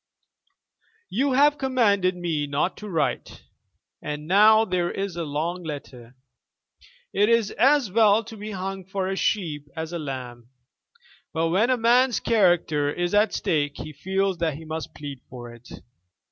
"You have commanded me not to write, and now there is a long letter! It is as well to be hung for a sheep as a lamb. But when a man's character is at stake he feels that he must plead for it.